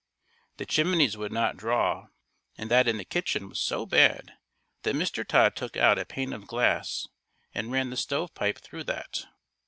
The chimneys would not draw and that in the kitchen was so bad that Mr. Todd took out a pane of glass and ran the stovepipe through that.